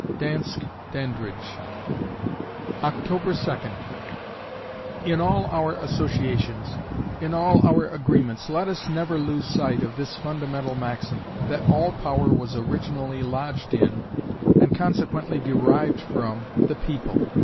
DANSKE DANDRIDGE October Second In all our associations; in all our agreements let us never lose sight of this fundamental maxim that all power was originally lodged in, and consequently derived from, the people.